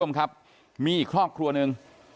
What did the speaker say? คุณผู้ชมครับมีอีกครอบครัวหนึ่ง